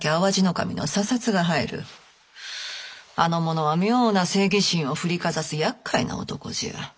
あの者は妙な正義心を振りかざすやっかいな男じゃ。